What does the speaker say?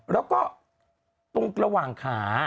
แล้วก็ตรงระหว่างขา